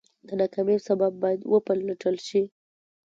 د ناکامۍ سبب باید وپلټل شي.